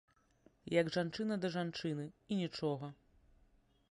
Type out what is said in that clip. Як жанчына да жанчыны, і нічога.